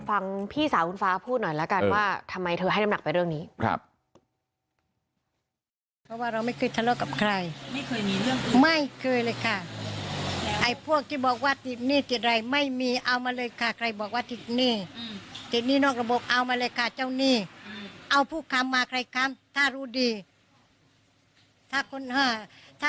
ฟังพี่สาวคุณฟ้าพูดหน่อยแล้วกันว่าทำไมเธอให้น้ำหนักไปเรื่องนี้